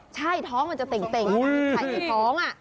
ใช่ท้องมันจะเต่งไข่ในท้อง